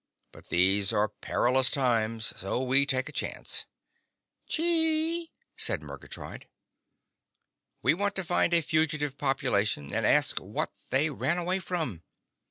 But these are parlous times, so we take a chance." "Chee!" said Murgatroyd. "We want to find a fugitive population and ask what they ran away from.